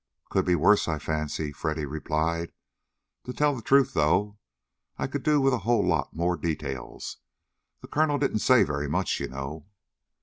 "Could be worse, I fancy," Freddy replied. "Truth to tell, though, I could do with a whole lot more details. The colonel didn't say very much, you know."